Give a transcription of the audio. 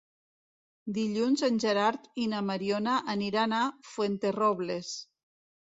Dilluns en Gerard i na Mariona aniran a Fuenterrobles.